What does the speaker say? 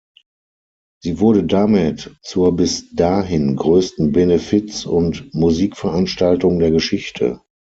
Sie wurde damit zur bis dahin größten Benefiz- und Musikveranstaltung der Geschichte.